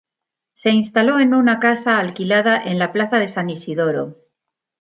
Se instaló en una casa alquilada en la plaza de San Isidoro.